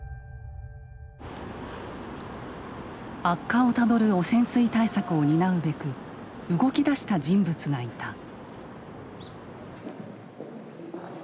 悪化をたどる汚染水対策を担うべく動きだした人物がいた。